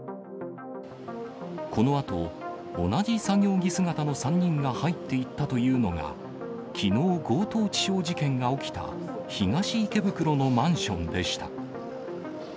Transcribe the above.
このあと、同じ作業着姿の３人が入っていったというのが、きのう強盗致傷事件が起きた、東池袋のマンションでした。